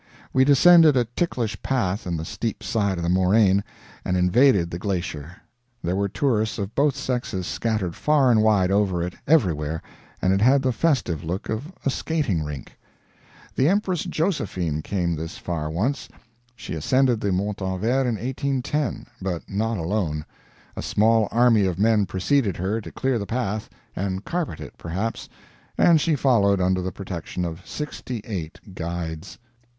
We descended a ticklish path in the steep side of the moraine, and invaded the glacier. There were tourists of both sexes scattered far and wide over it, everywhere, and it had the festive look of a skating rink. The Empress Josephine came this far, once. She ascended the Montanvert in 1810 but not alone; a small army of men preceded her to clear the path and carpet it, perhaps and she followed, under the protection of SIXTY EIGHT guides.